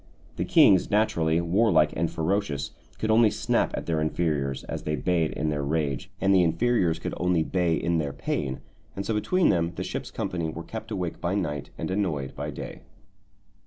The kings, naturally warlike and ferocious, could only snap at their inferiors as they bayed in their rage, and the inferiors could only bay in their pain, and so between them the ship's company were kept awake by night and annoyed by day.